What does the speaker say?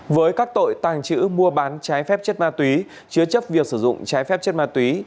với các tội tàng trữ mua bán trái phép chất ma túy chứa chấp việc sử dụng trái phép chất ma túy